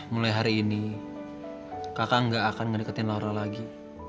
mulai hari ini kakak gak akan ngedeketin laura lagi